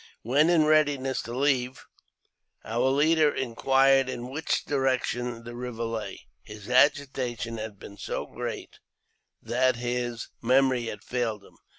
When in readiness to leave, our leader inquired in which" direction the river lay ; his agitation had been so great that his memory had failed him.